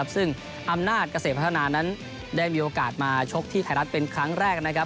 ซึ่งอำนาจเกษตรพัฒนานั้นได้มีโอกาสมาชกที่ไทยรัฐเป็นครั้งแรกนะครับ